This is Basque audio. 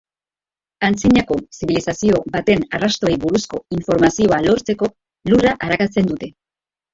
Antzinako zibilizazio baten arrastoei buruzko informazioa lortzeko lurra arakatzen dute.